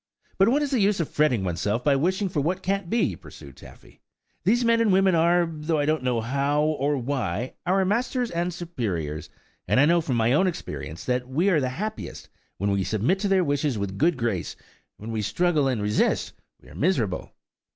"But what is the use of fretting oneself, by wishing for what can't be," pursued Taffy. "These men and women are, though I don't know how, or why, our masters and superiors, and I know from my own experience, that we are happiest when we submit to their wishes with a good grace; when we struggle and resist we are miserable."